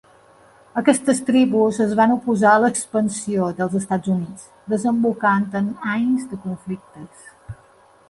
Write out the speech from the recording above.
Aquestes tribus es van oposar a l'expansió dels Estats Units, desembocant en anys de conflictes.